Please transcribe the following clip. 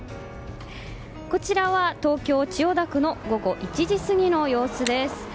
こちらは東京・千代田区の午後１時過ぎの様子です。